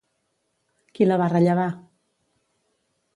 Qui la va rellevar?